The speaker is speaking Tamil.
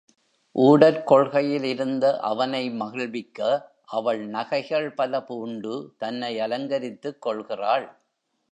ஊடற் கொள்கையில் இருந்த அவனை மகிழ்விக்க அவள் நகைகள் பல பூண்டு தன்னை அலங்கரித்துக் கொள்கிறாள்.